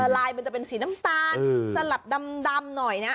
ลายมันจะเป็นสีน้ำตาลสลับดำหน่อยนะ